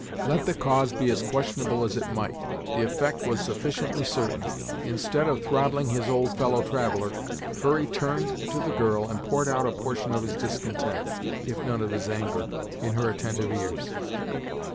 Let the cause be as questionable as it might, the effect we sufficiently certain. Instead of throttling his old fellow traveler, Hurry turned to the girl and poured out a portion of his discontent, if none of his anger, in her attentive ears.